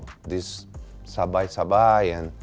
สบายและไม่ชอบกับกัน